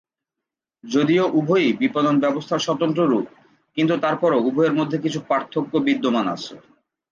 যদিও উভয়ই বিপণন ব্যবস্থার স্বতন্ত্র রূপ কিন্তু তারপরও উভয়ের মধ্যে কিছু পার্থক্য বিদ্যমান আছে।